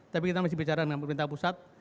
tapi kita masih bicara dengan pemerintah pusat